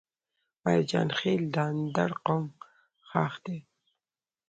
مرجان خيل د اندړ قوم خاښ دی